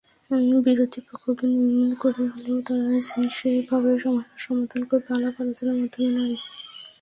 বিরোধীপক্ষকে নির্মূল করে হলেও তারা সেভাবেই সমস্যা সমাধান করবে, আলাপ-আলোচনার মাধ্যমে নয়।